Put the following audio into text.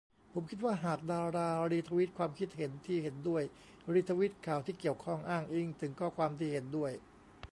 ผมคิดว่าหากดารารีทวีตความคิดเห็นที่เห็นด้วย รีทวีตข่าวที่เกี่ยวข้อง อ้างอิงถึงข้อความที่เห็นด้วย